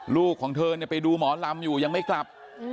ลูกของเธอไปดูหมอลำอยู่ยังไม่กลับ